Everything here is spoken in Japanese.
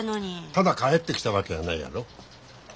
ただ帰ってきたわけやないやろ。